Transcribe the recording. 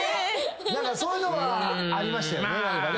そういうのはありましたよね。